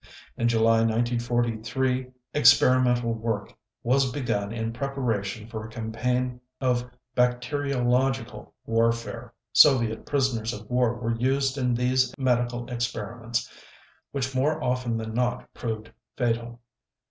In July 1943 experimental work was begun in preparation for a campaign of bacteriological warfare; Soviet prisoners of war were used in these medical experiments, which more often than not proved fatal.